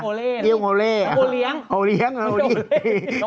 โอเล่น้องโอเล่น้องโอเล้งโอเล้งน้องโอเล้งน้องโอเล้ง